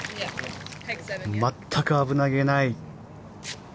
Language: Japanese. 全く危なげない。